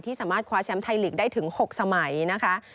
สามารถคว้าแชมป์ไทยลีกได้ถึง๖สมัยนะคะ